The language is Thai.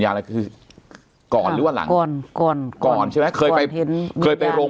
อะไรคือก่อนหรือว่าหลังกลก่อนใช่ไหมเคยไปเพ้นเคยไปโรง